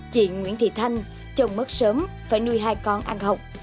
chị nguyễn thị thanh chồng mất sớm phải nuôi hai con ăn học